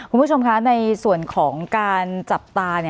คุณผู้ชมคะในส่วนของการจับตา